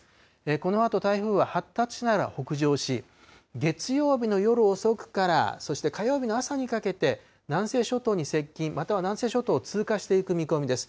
このあと、台風は発達しながら北上し、月曜日の夜遅くから、そして火曜日の朝にかけて、南西諸島に接近、または南西諸島を通過していく見込みです。